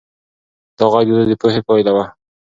دا غږ د ده د پوهې پایله وه.